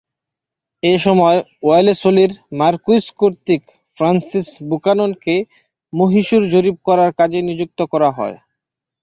এ সময় ওয়েলেসলির মার্কুইস কর্তৃক ফ্রান্সিস বুকাননকে মহীশুর জরিপ করার কাজে নিযুক্তি করা হয়।